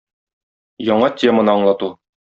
Яңа теманы аңлату.